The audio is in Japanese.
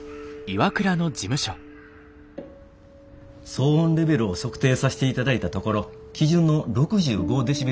騒音レベルを測定さしていただいたところ基準の６５デシベル以下でした。